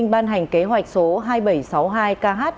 ban hành kế hoạch số hai nghìn bảy trăm sáu mươi hai kh